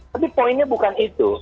tapi poinnya bukan itu